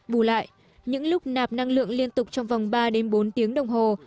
bù lại những lúc nạp năng lượng liên tục trong vòng ba đến bốn tiếng đồng hồ